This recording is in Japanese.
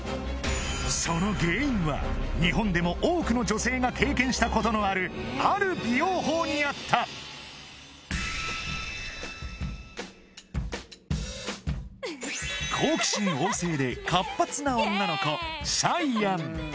その原因は日本でも多くの女性が経験したことのあるある美容法にあったシャイアン